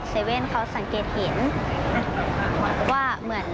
ฟังเสียงของนักศึกษาหญิงเล่าเรื่องนี้ให้ฟังหน่อยครับ